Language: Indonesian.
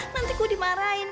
nanti gue dimarahin